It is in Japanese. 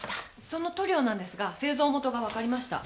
その塗料なんですが製造元がわかりました。